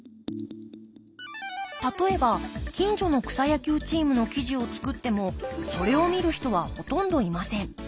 例えば近所の草野球チームの記事を作ってもそれを見る人はほとんどいません。